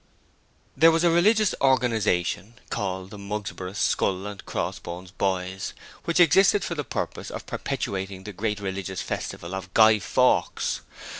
There was a religious organization, called 'The Mugsborough Skull and Crossbones Boys', which existed for the purpose of perpetuating the great religious festival of Guy Fawkes.